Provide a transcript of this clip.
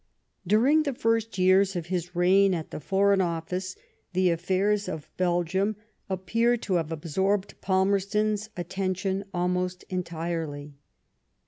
During the first years of his reign at the Foreign Office the affairs of Belgium appear to have absorbed Palmerston's attention almost entirely.